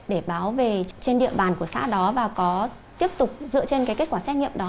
để báo về trên địa bàn của xã đó và có tiếp tục dựa trên cái kết quả xét nghiệm đó